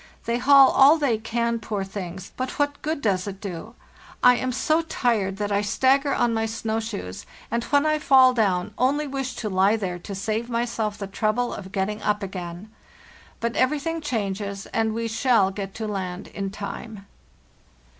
They haul all they can, poor things, but what good does it do? Iam so tired that I stagger on my A HARD STRUGGLE 199 snow shoes, and when I fall down only wish to lie there to save myself the trouble of getting up again. But every thing changes, and we shall get to land in time.